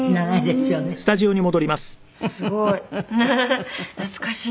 すごい。